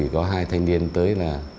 có hai thanh niên tới